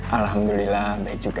alhamdulillah baik juga